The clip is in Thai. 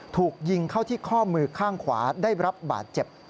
ถูกยิงเข้าที่ข้อมือข้างขวาได้รับบาดเจ็บ